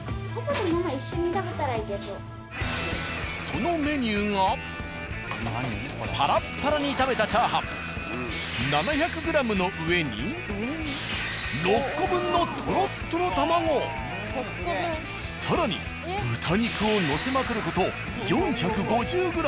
そのメニューがパラッパラに炒めたチャーハン７００ｇの上に６個分のとろっとろ玉子更に豚肉を載せまくる事４５０ｇ。